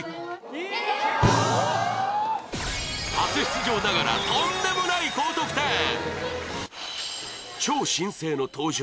初出場ながらとんでもない高得点！